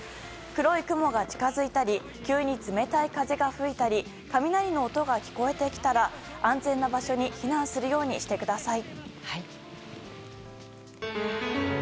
黒い雲が近づいたり急に冷たい風が吹いたり雷の音が聞こえてきたら安全な場所に避難するようにしてください。